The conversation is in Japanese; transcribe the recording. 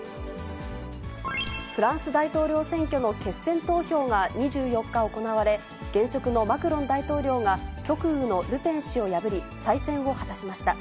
フランス大統領選挙の決選投票が２４日行われ、現職のマクロン大統領が、極右のルペン氏を破り、再選を果たしました。